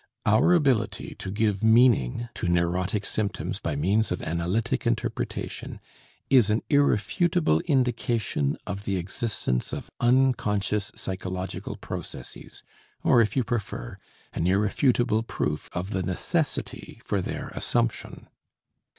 Our ability to give meaning to neurotic symptoms by means of analytic interpretation is an irrefutable indication of the existence of unconscious psychological processes or, if you prefer, an irrefutable proof of the necessity for their assumption.